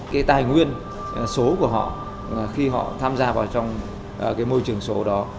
cái tài nguyên số của họ khi họ tham gia vào trong cái môi trường số đó